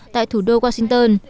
tại thủ đô washington